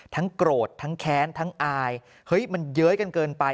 โกรธทั้งแค้นทั้งอายเฮ้ยมันเย้ยกันเกินไป